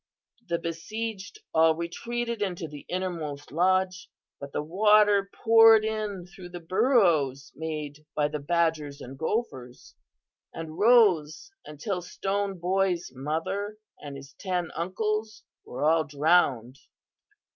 The besieged all retreated into the innermost lodge, but the water poured in through the burrows made by the badgers and gophers, and rose until Stone Boy's mother and his ten uncles were all drowned.